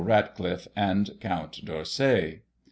RatclifFe and Count D'Orsay.